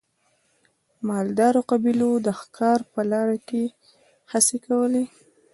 مالدارو قبیلو د ښکار په لاره کې هڅې کولې.